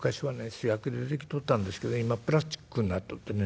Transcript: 素焼きで出来とったんですけど今プラスチックになっとってね